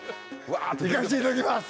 「行かしていただきます！」